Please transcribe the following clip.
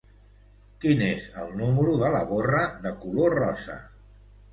Quin és el número de la gorra de color rosa?